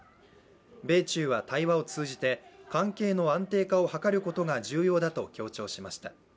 米中は対話を通じて関係の安定化を図ることが重要だと強調しました。